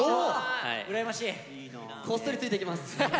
こっそりついていきます。